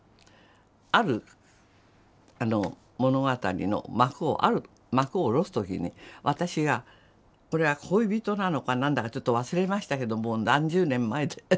ある物語の幕をある幕を下ろす時に私がこれは恋人なのか何だかちょっと忘れましたけどもう何十年も前で。